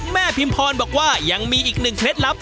พิมพรบอกว่ายังมีอีกหนึ่งเคล็ดลับ